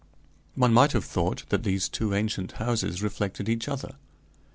One might have thought that these two ancient houses reflected each other.